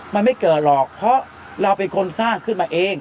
มันไม่เกิดหรอกเพราะเราเป็นคนสร้างขึ้นมาเอง